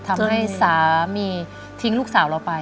ทำให้สามีทิ้งลูกสาวเราไป